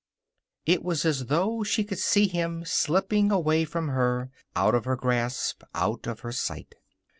It was as though she could see him slipping away from her, out of her grasp, out of her sight.